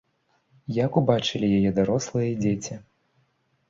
Як убачылі яе дарослыя і дзеці?